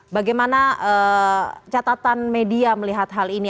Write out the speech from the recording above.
bagaimana catatan media melihat hal ini